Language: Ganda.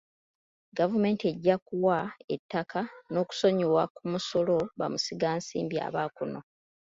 Gavumenti ejja kuwa ettaka n'okusonyiwa ku musolo bamusigansimbi aba kuno.